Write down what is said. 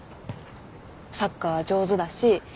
サッカー上手だし